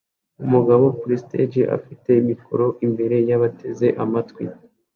Umugabo kuri stage afite mikoro imbere yabateze amatwi